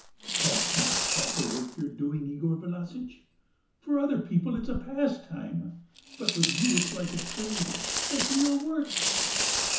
"That's not proper work you're doing, Yegor Vlassitch.... For other people it's a pastime, but with you it's like a trade... like real work."